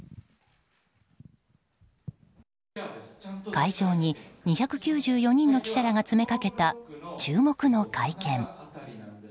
会場に２９４人の記者らが詰めかけた注目の会見。